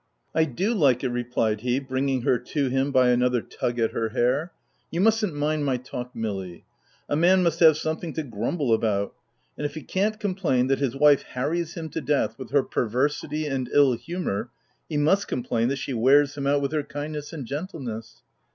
" I do like it," replied he, bringing her to him by another tug at her hair. " You mustn't mind my talk Milly. A man must have some thing to grumble about ; and if he can't com plain that his wife harries him to death with her perversity and ill humour, he must complain that she wears him out with her kindness and gentleness."